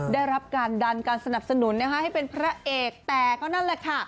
ได้รับการดันการสนับสนุนให้เป็นพระเอกแต่เขานั่นแหละค่ะ